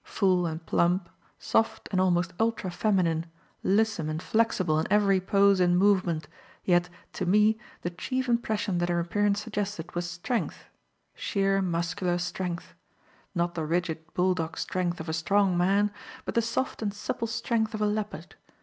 Full and plump, soft and almost ultra feminine, lissom and flexible in every pose and movement, yet, to me, the chief impression that her appearance suggested was strength sheer, muscular strength; not the rigid bull dog strength of a strong man, but the soft and supple strength of a leopard.